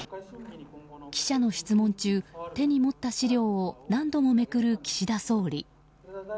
記者の質問中手に持った資料を何度もめくる岸田総理。